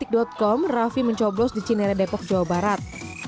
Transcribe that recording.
dikutip dari dua puluh detik com raffi mencoblos di cinerai depok jawa barat